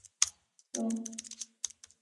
月球地质与地球地质学差别明显。